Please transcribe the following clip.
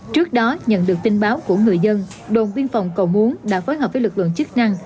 trước đó nhận được tin báo của người dân đồn biên phòng cầu muốn đã phối hợp với lực lượng chức năng